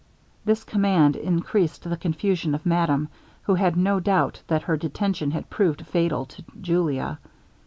This command increased the confusion of madame, who had no doubt that her detention had proved fatal to Julia.